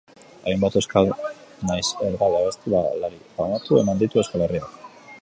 Hainbat euskal nahiz erdal abeslari famatu eman ditu Euskal Herriak.